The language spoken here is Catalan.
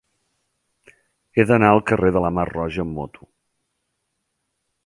He d'anar al carrer de la Mar Roja amb moto.